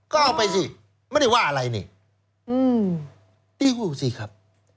ก็เอาไปสิไม่ได้ว่าอะไรนี่ตีหูสิครับ